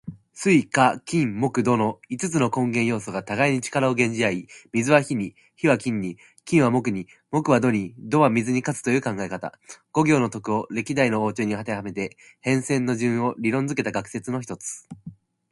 水・火・金・木・土の五つの根元要素が互いに力を減じ合い、水は火に、火は金に、金は木に、木は土に、土は水に勝つという考え方。五行の徳を歴代の王朝にあてはめて変遷の順を理論づけた学説の一つ。